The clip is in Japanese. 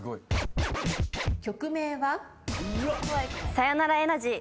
さよならエナジー。